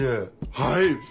はい！